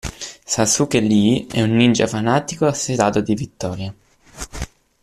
Sasuke Lee È un ninja fanatico assetato di vittoria.